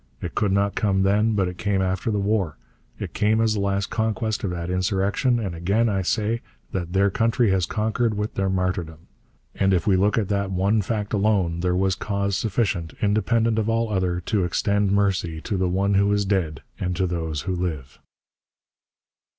It could not come then, but it came after the war; it came as the last conquest of that insurrection. And again I say that "their country has conquered with their martyrdom," and if we look at that one fact alone there was cause sufficient, independent of all other, to extend mercy to the one who is dead and to those who live.'